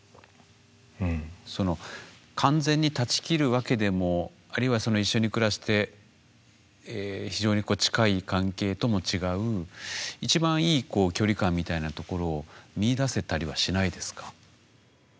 その完全に断ち切るわけでもあるいは一緒に暮らして非常に近い関係とも違う一番いい距離感みたいなところを見いだせたりはしないですか？